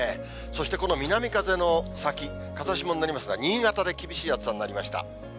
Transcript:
そして、この南風の先、風下になりますが、新潟で厳しい暑さになりました。